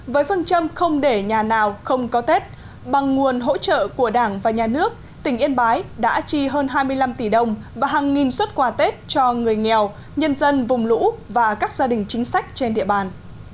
với phương châm không để nhà nào không có tết bằng nguồn hỗ trợ của đảng và nhà nước tỉnh yên bái đã chi hơn hai mươi năm tỷ đồng và hàng nghìn xuất quà tết cho người nghèo nhân dân vùng lũ và các gia đình chính sách trên địa bàn